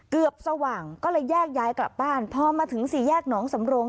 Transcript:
สว่างก็เลยแยกย้ายกลับบ้านพอมาถึงสี่แยกหนองสำรง